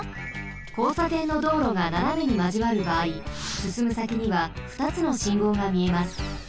こうさてんのどうろがななめにまじわるばあいすすむさきにはふたつの信号がみえます。